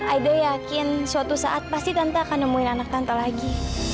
aida yakin suatu saat pasti tante akan nemuin anak tanta lagi